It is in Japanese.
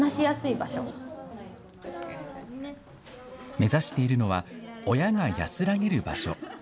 目指しているのは、親が安らげる場所。